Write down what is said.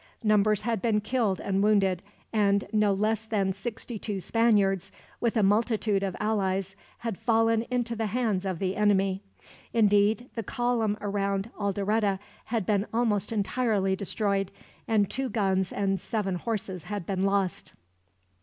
Numbers had been killed and wounded, and no less than sixty two Spaniards, with a multitude of allies, had fallen into the hands of the enemy. Indeed, the column around Alderete had been almost entirely destroyed, and two guns and seven horses had been lost.